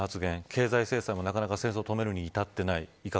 経済制裁も、なかなか戦争を止めるに至っていない。